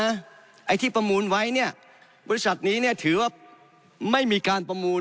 ไอ้ที่ประมูลไว้เนี่ยบริษัทนี้เนี่ยถือว่าไม่มีการประมูล